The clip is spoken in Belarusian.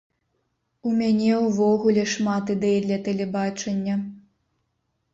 У мяне ўвогуле шмат ідэй для тэлебачання.